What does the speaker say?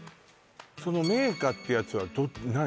その銘菓ってやつは何？